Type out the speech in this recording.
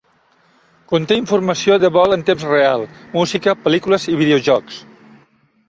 Conté informació de vol en temps real, música, pel·lícules i videojocs.